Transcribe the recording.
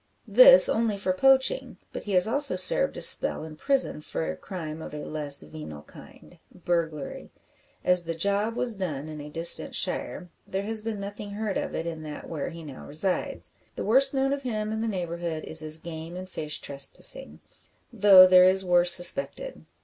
This only for poaching; but he has also served a spell in prison for crime of a less venal kind burglary. As the "job" was done in a distant shire, there has been nothing heard of it in that where he now resides. The worst known of him in the neighbourhood is his game and fish trespassing, though there is worse suspected.